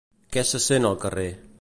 Què se sent al carrer?